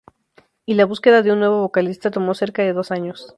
Y la búsqueda de un nuevo vocalista tomó cerca de dos años.